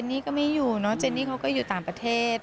เจนนี่ก็ไม่อยู่นะเจนเขาก็อยู่ต่างประเทศ